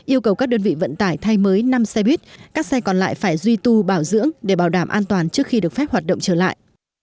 yêu cầu các đơn vị vận tải thay mới năm xe buýt các xe còn lại phải duy tu bảo dưỡng để bảo đảm an toàn trước khi được phép hoạt động trở lại